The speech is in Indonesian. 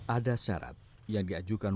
ada syarat yang diajukan